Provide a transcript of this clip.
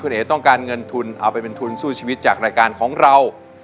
เอ๋ต้องการเงินทุนเอาไปเป็นทุนสู้ชีวิตจากรายการของเรา